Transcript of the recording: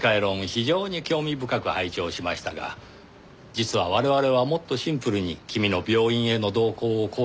非常に興味深く拝聴しましたが実は我々はもっとシンプルに君の病院への同行を考察しているんですよ。